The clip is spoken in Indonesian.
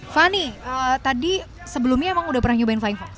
fanny tadi sebelumnya emang udah pernah nyobain flying fox